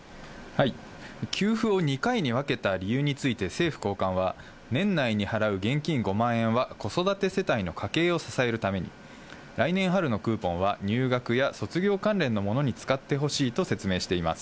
給付を２回に分けた理由について、政府高官は、年内に払う現金５万円は子育て世帯の家計を支えるために、来年春のクーポンは、入学や卒業関連のものに使ってほしいと説明しています。